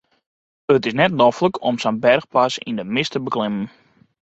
It is net noflik om sa'n berchpas yn de mist te beklimmen.